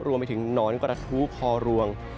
รวมไปถึงหนอนกระทู้พอรวง